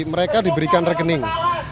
mereka diberikan rekening